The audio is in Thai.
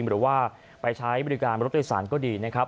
หรือว่าไปใช้บริการรถโดยสารก็ดีนะครับ